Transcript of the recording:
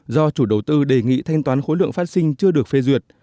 đầu tư đề nghị thanh toán khối lượng phát sinh chưa được phê duyệt